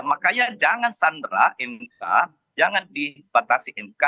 makanya jangan sandera mk jangan dibatasi mk